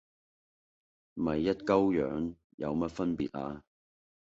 咪一鳩樣，有咩分別呀